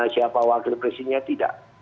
siapa wakil presidennya tidak